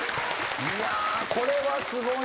いやこれはすごいね！